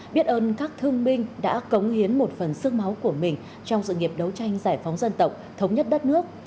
biết ơn các thương binh đã cống hiến một phần sức máu của mình trong sự nghiệp đấu tranh giải phóng dân tộc thống nhất đất nước